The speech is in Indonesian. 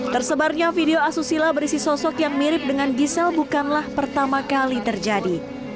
tersebarnya video asusila berisi sosok yang mirip dengan gisel bukanlah pertama kali terjadi